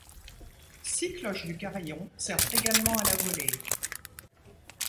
Six cloches du carillon servent également à la volée.